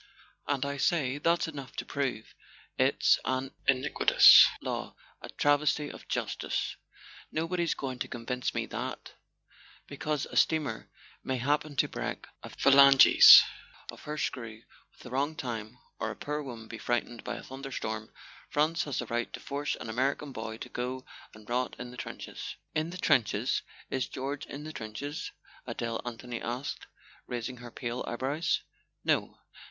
And I say that's enough to prove it's an in¬ iquitous law, a travesty of justice. Nobody's going to convince me that, because a steamer may happen to break a phlange of her screw at the wrong time, or a poor woman be frightened by a thunderstorm, France has the right to force an American boy to go and rot in the trenches." "In the trenches—is George in the trenches?" Adele Anthony asked, raising her pale eyebrows. "No."